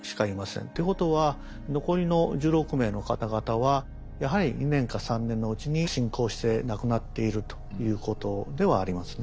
ということは残りの１６名の方々はやはり２年か３年のうちに進行して亡くなっているということではありますね。